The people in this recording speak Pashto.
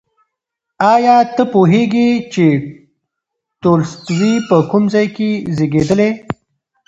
ایا ته پوهېږې چې تولستوی په کوم ځای کې زېږېدلی؟